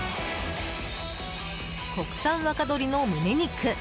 国産若鶏の胸肉。